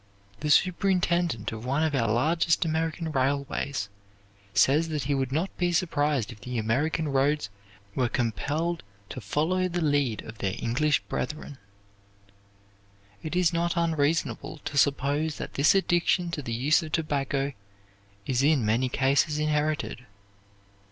The superintendent of one of our largest American railways says that he would not be surprised if the American roads were compelled to follow the lead of their English brethren. It is not unreasonable to suppose that this addiction to the use of tobacco is in many cases inherited.